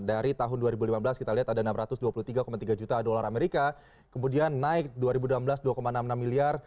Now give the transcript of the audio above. dari tahun dua ribu lima belas kita lihat ada enam ratus dua puluh tiga tiga juta dolar amerika kemudian naik dua ribu enam belas dua enam puluh enam miliar